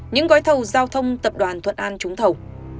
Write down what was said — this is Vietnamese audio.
những gói thầu giao thông tập đoàn thuận an trúng thầu